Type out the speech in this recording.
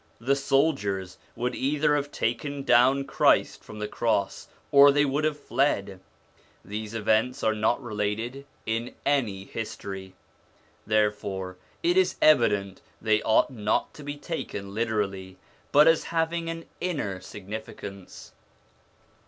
The soldiers would either have taken down Christ from the cross or they would have fled. These events are not related in any history, therefore it is evident they ought not to be taken literally, but as having an inner significance.